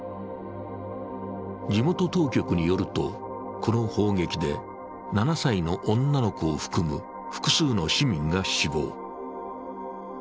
地元当局によると、この砲撃で７歳の女の子を含む複数の市民が死亡。